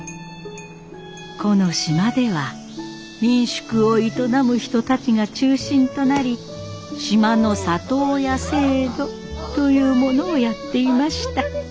この島では民宿を営む人たちが中心となり島の里親制度というものをやっていました。